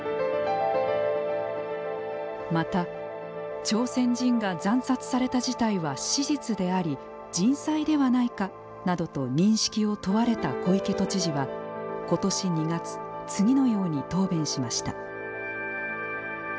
また、朝鮮人が惨殺された事態は史実であり、人災ではないかなどと認識を問われた小池都知事は、今年２月次のように答弁しました。